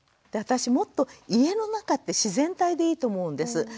私もっと家の中って自然体でいいと思うんです。